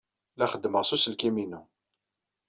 La xeddmeɣ s uselkim-inu.